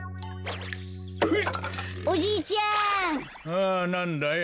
ああなんだい？